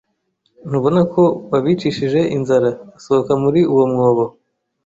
Ntubona ko wabicishije inzara Sohoka muri uwo mwobo